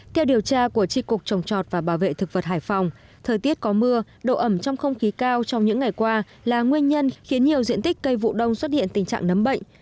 theo điều tra của tri cục trồng chọt và bảo vệ thực vật hải phòng thời tiết có mưa độ ẩm trong không khí cao trong những ngày qua là nguyên nhân khiến nhiều diện tích cây vụ đông xuất hiện tình trạng nấm bệnh